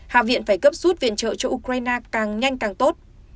hạ viện phải cấp suất viện trợ cho ukraine càng nhanh càng tốt